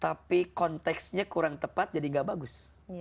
tapi konteksnya kurang tepat jadi gak bagus